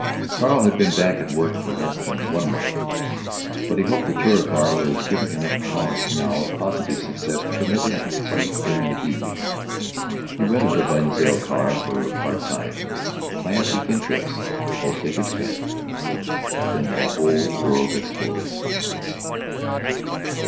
Carl had been back at work for less than one month, but he hoped that the Touricar was giving enough promise now of positive success to permit him to play during the evening. He rented a VanZile car for part time; planned week end trips; hoped they could spend—— Then the whole world exploded.